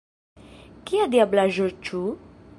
Kia diablaĵo, ĉu?